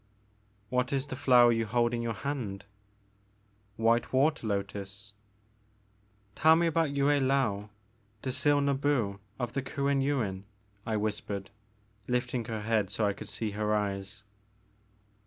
What is the flower you hold in your hand ?'White water lotus." Tell me about Yue I^ou, Dzil Nbu of the Kuen Yuin, I whispered, lifting her head so I could see her eyes.